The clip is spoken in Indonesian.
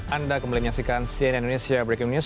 anda kembali menyaksikan cnn indonesia breaking news